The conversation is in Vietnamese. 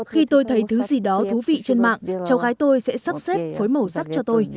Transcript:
khi tôi thấy thứ gì đó thú vị trên mạng cháu gái tôi sẽ sắp xếp phối màu sắc cho tôi